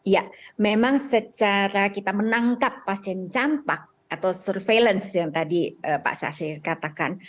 ya memang secara kita menangkap pasien campak atau surveillance yang tadi pak sashir katakan